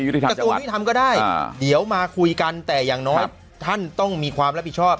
กระทรวงยุทธรรมก็ได้เดี๋ยวมาคุยกันแต่อย่างน้อยท่านต้องมีความรับผิดชอบ